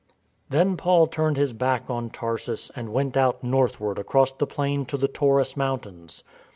Then Paul turned his back on Tarsus and went out northward across the plain to the Taurus mountains.